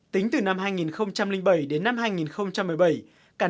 tính từ năm hai nghìn bảy đến năm hai nghìn một mươi bảy